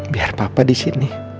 biar papa disini